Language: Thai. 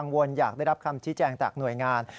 อยากได้รับคำชี้แจงจากหน่วยงาน